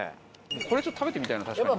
これちょっと食べてみたいな確かに。